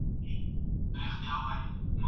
لارښود د محصل پوښتنې ته ځواب ورکوي.